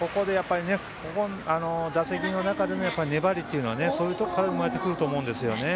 打席の中での粘りというのはそういうところから生まれてくると思うんですね。